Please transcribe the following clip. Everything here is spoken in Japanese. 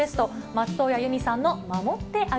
松任谷由実さんの守ってあ